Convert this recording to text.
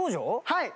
はい！